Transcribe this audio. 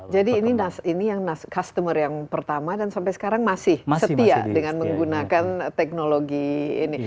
jadi ini yang customer yang pertama dan sampai sekarang masih setia dengan menggunakan teknologi ini